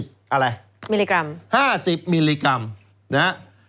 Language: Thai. มิลลิกรัม๕๐มิลลิกรัมนะ